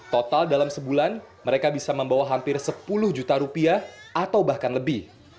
total dalam sebulan mereka bisa membawa hampir sepuluh juta rupiah atau bahkan lebih